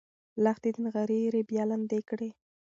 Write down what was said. لښتې د نغري ایرې بیا لندې کړې.